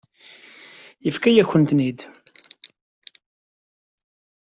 Yefka-yakent-ten-id.